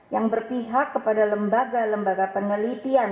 yang berpihak kepada lembaga lembaga penelitian